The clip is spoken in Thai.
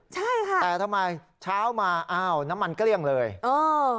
ใช่ค่ะแต่ทำไมเช้ามาอ้าวน้ำมันเกลี้ยงเลยเออ